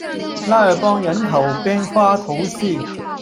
拉尔邦人口变化图示